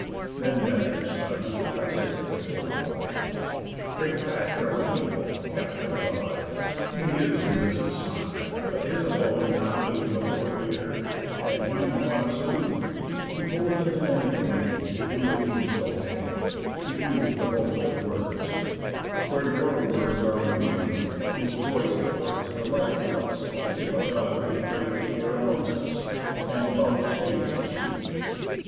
Then Nestor's son, Pisistratus, replied: "Great pastor of the people, kept of God! He is Ulysses' son, but his abode Not made before here, and he modest too, He holds it an indignity to do A deed so vain, to use the boast of words, Where your words are on wing; whose voice affords Delight to us as if a God did break The air amongst us, and vouchsafe to speak.